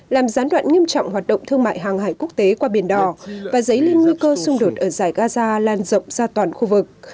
làm gián đoạn nghiêm trọng hoạt động thương mại hàng hải quốc tế qua biển đỏ và dấy lên nguy cơ xung đột ở giải gaza lan rộng ra toàn khu vực